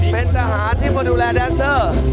เป็นทหารที่มาดูแลแดนเซอร์